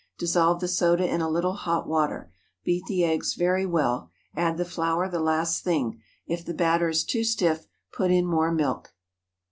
Dissolve the soda in a little hot water. Beat the eggs very well. Add the flour the last thing. If the batter is too stiff, put in more milk.